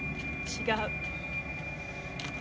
違う！